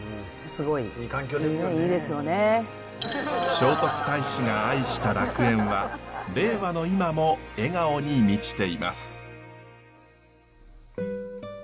聖徳太子が愛した楽園は令和の今も笑顔に満ちています。